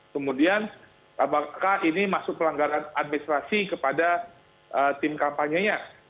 kemudian apakah ini masuk pelanggaran administrasi kepada tim kampanyenya